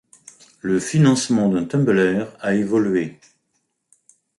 Le financement de Tumblr a évolué.